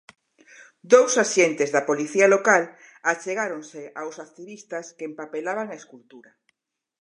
Dous axentes da Policía Local achegáronse aos activistas que empapelaban a escultura.